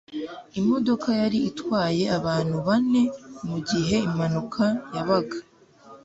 imodoka yari itwaye abantu bane mugihe impanuka yabaga